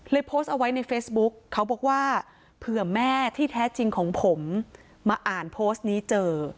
โพสต์เอาไว้ในเฟซบุ๊กเขาบอกว่าเผื่อแม่ที่แท้จริงของผมมาอ่านโพสต์นี้เจอ